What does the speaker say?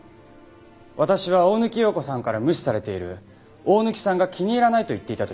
私は大貫陽子さんから無視されている大貫さんが気に入らないと言っていたという事。